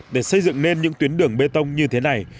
để xây dựng nên những tuyến đường bê tông như thế này